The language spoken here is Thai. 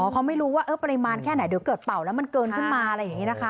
เขาไม่รู้ว่าปริมาณแค่ไหนเดี๋ยวเกิดเป่าแล้วมันเกินขึ้นมาอะไรอย่างนี้นะคะ